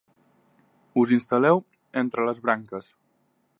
Us instal·leu entre les branques.